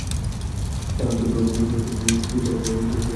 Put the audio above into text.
ছায়ানট থেকে রবীন্দ্রসংগীতের ওপর কোর্স শেষ করে এখন সেখানেই শিক্ষকতা করছেন।